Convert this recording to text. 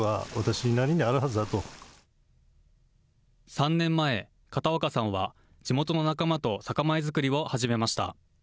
３年前、片岡さんは、地元の仲間と酒米作りを始めました。